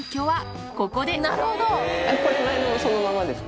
これも前のそのままですか？